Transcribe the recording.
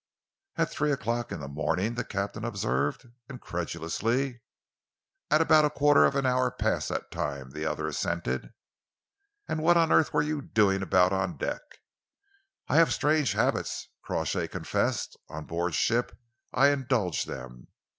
"At three o'clock in the morning?" the captain observed incredulously. "At about a quarter of an hour past that time," the other assented. "And what on earth were you doing about on deck?" "I have strange habits," Crawshay confessed. "On board ship I indulge them.